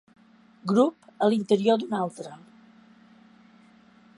Grup a l'interior d'un altre.